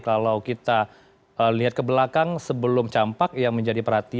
kalau kita lihat ke belakang sebelum campak yang menjadi perhatian